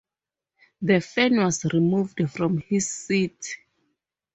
The fan was removed from his seat.